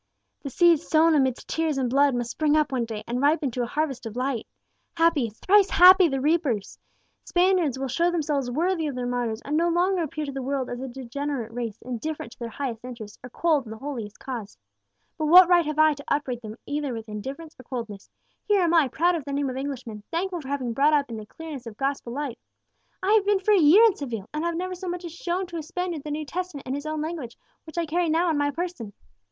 "The seed sown amidst tears and blood must spring up one day, and ripen to a harvest of light! Happy thrice happy the reapers! Spaniards will show themselves worthy of their martyrs, and no longer appear to the world as a degenerate race, indifferent to their highest interests, or cold in the holiest cause. But what right have I to upbraid them either with indifference or coldness? Here am I, proud of the name of Englishman, thankful for having been brought up in the clearness of gospel light. I have been for a year in Seville, and I have never so much as shown to a Spaniard the New Testament in his own language, which I carry now on my person.